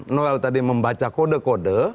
noel tadi membaca kode kode